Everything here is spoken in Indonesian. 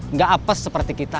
nggak apes seperti kita